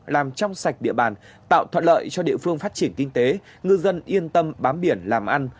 làm trong sạch địa bàn tạo thuận lợi cho địa phương phát triển kinh tế ngư dân yên tâm bám biển làm ăn